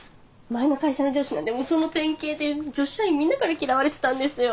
前の会社の上司なんてもうその典型で女子社員みんなから嫌われてたんですよ。